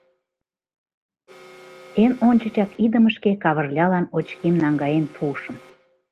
Эн ончычак идымышке Кавырлялан очким наҥгаен пуышым.